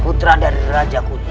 putra dari raja kutub